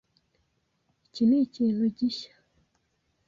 Iki nikintu gishya.